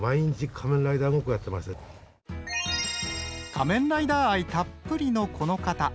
仮面ライダー愛たっぷりのこの方。